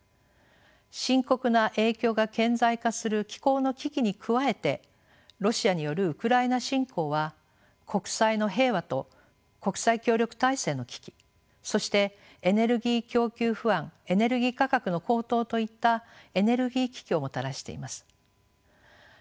深刻な影響が顕在化する気候の危機に加えてロシアによるウクライナ侵攻は国際の平和と国際協力体制の危機そしてエネルギー供給不安エネルギー価格の高騰といったエネルギー危機をもたらしています。